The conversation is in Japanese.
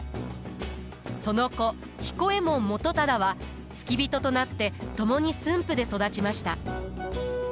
その子彦右衛門元忠は付き人となって共に駿府で育ちました。